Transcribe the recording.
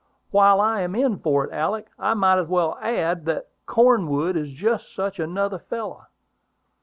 While I am in for it, Alick, I might as well add that Cornwood is just such another fellow."